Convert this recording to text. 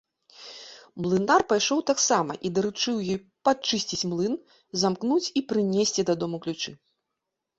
Млынар пайшоў таксама і даручыў ёй падчысціць млын, замкнуць і прынесці дадому ключы.